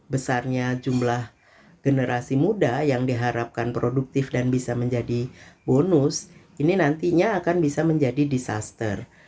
besarnya jumlah generasi muda yang diharapkan produktif dan bisa menjadi bonus ini nantinya akan bisa menjadi disaster